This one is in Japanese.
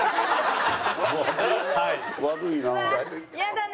悪いな。